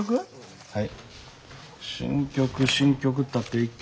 はい。